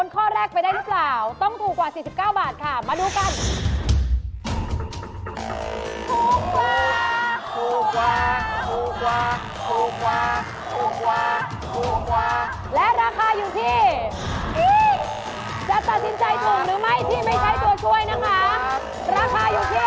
จะตัดสินใจถูกหรือไม่ที่ไม่ใช้ตัวช่วยนะคะ